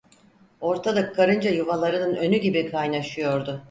Ortalık karınca yuvalarının önü gibi kaynaşıyordu.